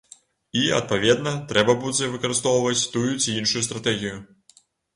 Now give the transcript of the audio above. І, адпаведна, трэба будзе выкарыстоўваць тую ці іншую стратэгію.